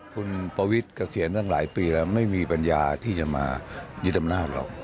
คุณประวิทย์เกษียณตั้งหลายปีแล้วไม่มีปัญญาที่จะมายึดอำนาจหรอก